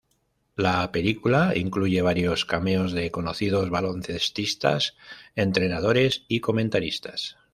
La película incluye varios cameos de conocidos baloncestistas, entrenadores y comentaristas.